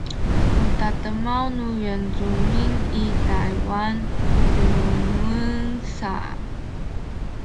u tademaw nu Yincumin i Taywan pulungen sa